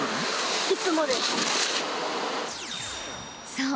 ［そう。